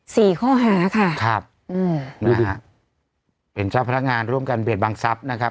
สี่ข้อหาค่ะครับอืมนะฮะเป็นเจ้าพนักงานร่วมกันเบียดบังทรัพย์นะครับ